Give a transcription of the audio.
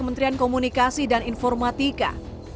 kementerian komunikasi dan informatika